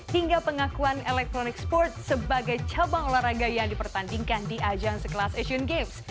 hingga pengakuan electronic sports sebagai cabang olahraga yang dipertandingkan di ajang sekelas asian games